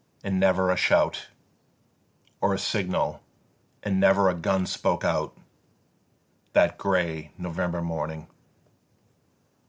and never a shout Or a signal; and never a gun spoke out That grey November morning.